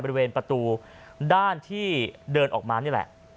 บริเวณประตูด้านที่เดินออกมานี่แหละ